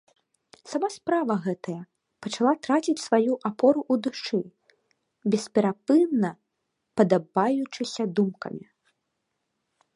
Сама справа гэтая пачала траціць сваю апору ў душы, бесперапынна падабаючыся думкамі.